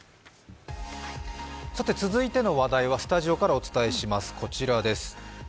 続いての話題はスタジオからお伝えします。